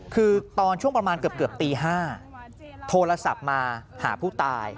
คือตอนช่วงประมาณเกือบตี๕โทรศัพท์มาหาผู้ตาย